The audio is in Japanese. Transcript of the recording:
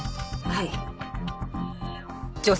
はい。